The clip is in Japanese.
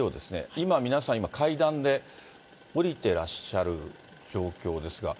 今、皆さん今、階段で下りてらっしゃる状況ですが。